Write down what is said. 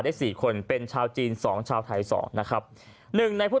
สี่คนเป็นชาวจีนสองชาวไทยสองนะครับหนึ่งในผู้